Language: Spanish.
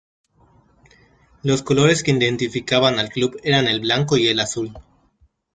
Los colores que identificaban al club eran el blanco y el azul.